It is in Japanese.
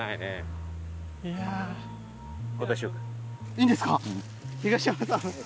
いいんですか？